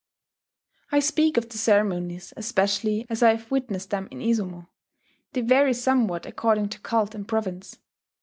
I speak of the ceremonies especially as I have witnessed them in Izumo: they vary somewhat according to cult and province.